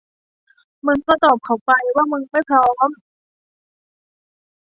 มึงก็ตอบเขาไปว่ามึงไม่พร้อม